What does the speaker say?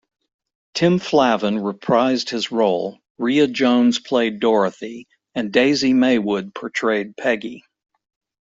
Tim Flavin reprised his role, Ria Jones played Dorothy and Daisy Maywood portrayed Peggy.